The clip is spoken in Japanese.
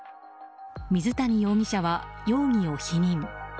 水谷容疑者は容疑を否認。